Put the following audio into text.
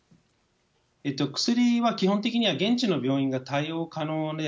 薬は基本的には現地の病院が対応可能で、